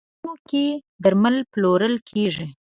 په درملتون کې درمل پلورل کیږی.